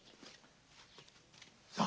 さあ。